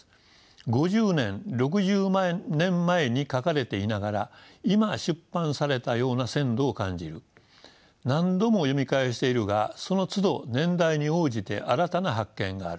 「５０年６０年前に書かれていながら今出版されたような鮮度を感じる」「何度も読み返しているがそのつど年代に応じて新たな発見がある」